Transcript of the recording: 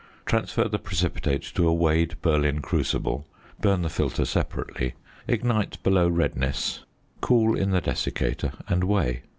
Transfer the precipitate to a weighed Berlin crucible, burn the filter separately, ignite below redness, cool in the desiccator, and weigh.